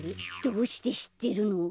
どうしてしってるの？